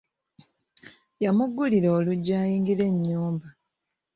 Yamugulira oluggi ayingire e nnyumba.